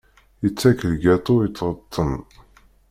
Yettak lgaṭu i tɣeṭṭen.